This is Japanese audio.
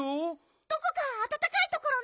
どこかあたたかいところないかな？